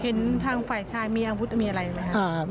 เห็นทางฝ่ายชายมีอาวุธมีอะไรไหมครับ